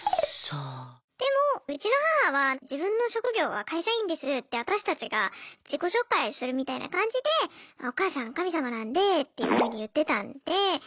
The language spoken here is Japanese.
でもうちの母は「自分の職業は会社員です」って私たちが自己紹介するみたいな感じで「お母さん神様なんで」っていうふうに言ってたんで。